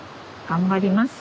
頑張ります。